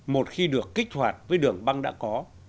một khi được kích hoạt với đường băng đã có